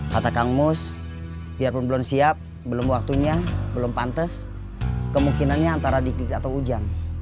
kata kang mus biarpun belum siap belum waktunya belum pantes kemungkinannya antara dik atau hujan